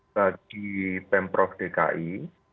bagi pemprov dki